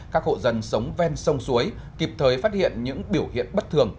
các hộ dân sống ven sông suối kịp thời phát hiện những biểu hiện bất thường